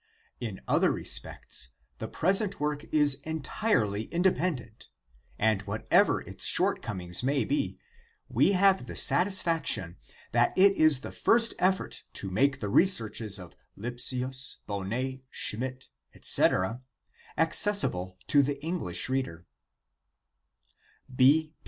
In other respects the present work is entirely independent, and whatever its shortcom ings may be, we have the satisfaction that it is the first effort to make the researches of Lipsius, Bon net, Schmidt, etc, accessible to the English reader.